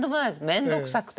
面倒くさくて。